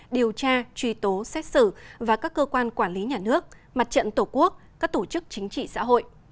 điều tra truy tố xét xử và các cơ quan quản lý nhà nước mặt trận tổ quốc các tổ chức chính trị xã hội